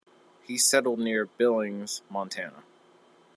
He settled near Billings, Montana.